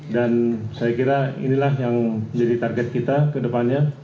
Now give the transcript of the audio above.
dan saya kira inilah yang jadi target kita ke depannya